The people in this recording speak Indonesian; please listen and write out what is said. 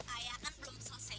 ayah kan belum selesai